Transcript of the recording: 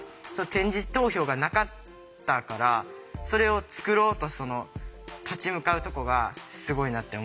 点字投票がなかったからそれを作ろうと立ち向かうとこがすごいなって思うし